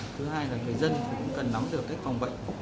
thứ hai là người dân cũng cần nắm được cách phòng bệnh